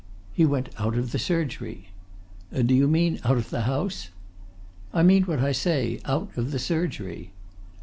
"He went out of the surgery." "Do you mean out of the house?" "I mean what I say. Out of the surgery."